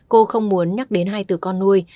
cô không muốn nhắc đến hai từ con nuôi